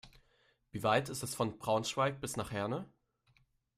Wie weit ist es von Braunschweig bis nach Herne?